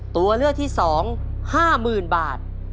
ตัวเลือกที่๒ห้าหมื่นบาท